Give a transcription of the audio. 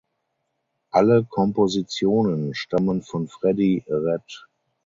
Alle Kompositionen stammen von Freddie Redd.